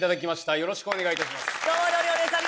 よろしくお願いします